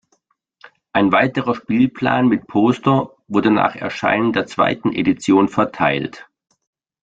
Ein weiterer Spielplan mit Poster wurde nach Erscheinen der zweiten Edition verteilt.